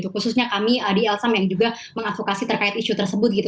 khususnya kami di lsm yang juga mengadvokasi terkait isu tersebut gitu